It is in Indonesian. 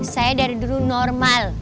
saya dari dulu normal